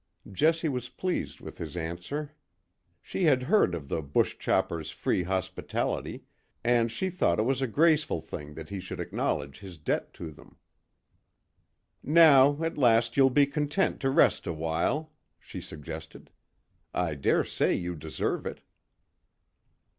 Jessie was pleased with his answer. She had heard of the bush choppers' free hospitality, and she thought it was a graceful thing that he should acknowledge his debt to them. "Now at last you'll be content to rest a while," she suggested. "I dare say you deserve it."